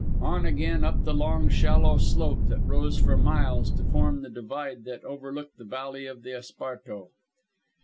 On again up the long, shallow slope that rose for miles to form the divide that overlooked the valley of the Esparto.